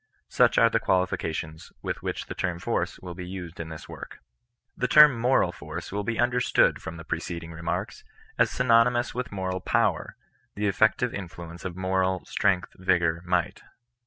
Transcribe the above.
Such are the qualifi cations with which the term force will be used in this work. The term moral force will be understood from the pre ceding remarks, as synonymous with moral power — the effective influence of moral " strength, vigour, might."